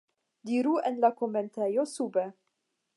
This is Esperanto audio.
Diru en la komentejo sube.